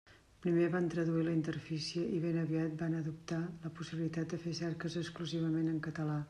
Primer van traduir la interfície i ben aviat van adoptar la possibilitat de fer cerques exclusivament en català.